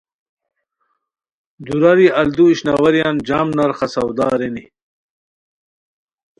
دُوراری الدو اشنواریان جم نرخہ سودا ارینی